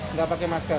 tidak pakai masker